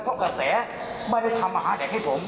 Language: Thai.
เพราะกระแสไม่ได้ทำอาหารเด็กให้ผม